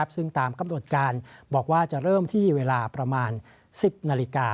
ซึ่งตามกำหนดการบอกว่าจะเริ่มที่เวลาประมาณ๑๐นาฬิกา